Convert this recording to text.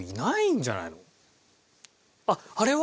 あっあれは？